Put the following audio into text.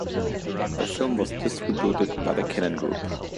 The film was distributed by the Cannon Group.